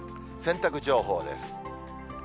洗濯情報です。